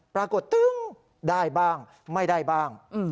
ปรากฏได้บ้างไม่ได้บ้าง